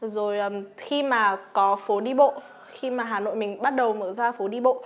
rồi khi mà có phố đi bộ khi mà hà nội mình bắt đầu mở ra phố đi bộ